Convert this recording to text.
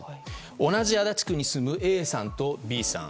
同じ足立区に住むＡさんとＢさん。